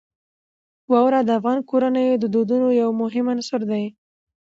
واوره د افغان کورنیو د دودونو یو مهم عنصر دی.